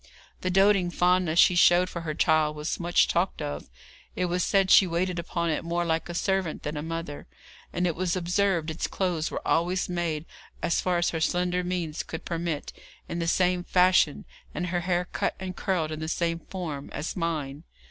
The doting fondness she showed for her child was much talked of. It was said she waited upon it more like a servant than a mother, and it was observed its clothes were always made, as far as her slender means would permit, in the same fashion, and her hair cut and curled in the same form, as mine.